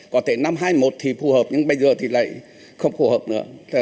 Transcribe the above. có thể năm hai nghìn một thì phù hợp nhưng bây giờ thì lại không phù hợp nữa